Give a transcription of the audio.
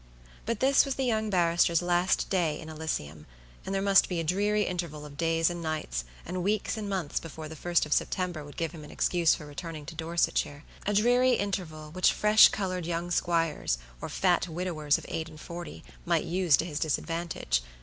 But this was the young barrister's last day in Elysium, and there must be a dreary interval of days and nights and weeks and months before the first of September would give him an excuse for returning to Dorsetshire; a dreary interval which fresh colored young squires or fat widowers of eight and forty, might use to his disadvantage.